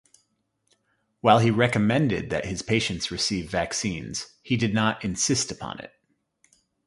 While he recommended that his patients receive vaccines, he did not insist upon it.